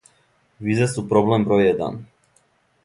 Визе су проблем број један.